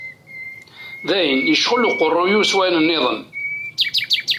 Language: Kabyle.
D ayen yecɣel uqerruy-iw s wayen-nniḍen.